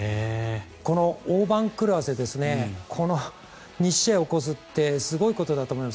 この大番狂わせこの２試合ってすごいことだと思います。